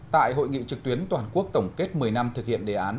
tại hội nghị trực tuyến toàn quốc tổng kết một mươi năm thực hiện đề án